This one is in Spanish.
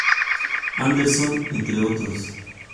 Anderson, entre otros.